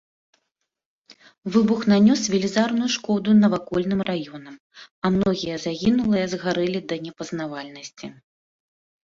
Выбух нанёс велізарную шкоду навакольным раёнах, а многім з загінулых згарэлі да непазнавальнасці.